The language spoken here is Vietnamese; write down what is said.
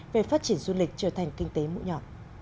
về phát triển du lịch trở thành kinh tế mũi nhỏ